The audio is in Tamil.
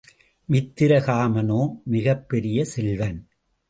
மித்திரகாமனோ மிகப் பெரிய செல்வன்.